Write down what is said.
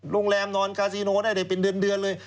โรงแรมนอนกาซิโนได้เป็นเดือนเลย